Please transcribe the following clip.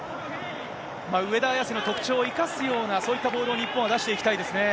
上田綺世のあや特徴を生かすような、そういったボール、日本は出していきたいですね。